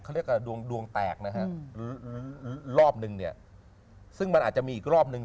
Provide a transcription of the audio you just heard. เขาเรียกว่าดวงแตกรอบนึงซึ่งมันอาจจะมีอีกรอบนึง